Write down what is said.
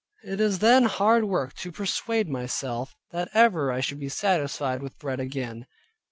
It is then hard work to persuade myself, that ever I should be satisfied with bread again.